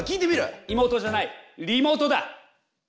いもうとじゃないリモートだ！